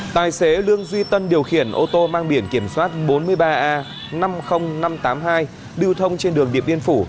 tài xế lương duy tân điều khiển ô tô mang biển kiểm soát bốn mươi ba a năm mươi nghìn năm trăm tám mươi hai lưu thông trên đường điện biên phủ